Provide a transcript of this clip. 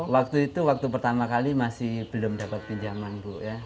waktu itu waktu pertama kali masih belum dapat pinjaman bu ya